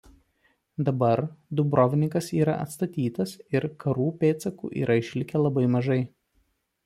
Dabar Dubrovnikas yra atstatytas ir karų pėdsakų yra išlikę labai mažai.